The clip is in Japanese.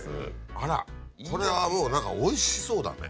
あらこれはもう何かおいしそうだね。